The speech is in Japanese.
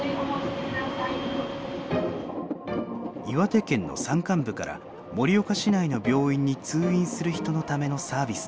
岩手県の山間部から盛岡市内の病院に通院する人のためのサービスです。